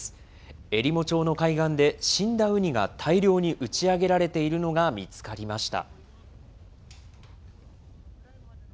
えりも町の海岸で、死んだウニが大量に打ち上げられているのが見つかりました。